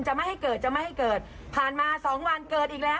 ไม่ให้เกิดจะไม่ให้เกิดผ่านมาสองวันเกิดอีกแล้ว